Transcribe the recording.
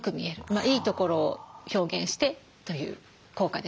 いいところを表現してという効果ですね。